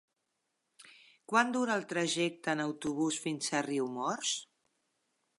Quant dura el trajecte en autobús fins a Riumors?